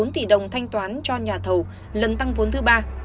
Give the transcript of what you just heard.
hai trăm một mươi bốn tỷ đồng thanh toán cho nhà thầu lần tăng vốn thứ ba